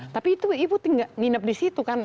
tapi itu ibu tinggal nginep di situ kan